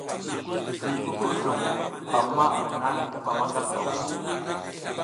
Vi kukurzlum amma nani kaɓa maƞgal gawla.